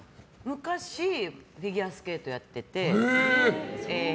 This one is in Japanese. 昔フィギュアスケートやってて。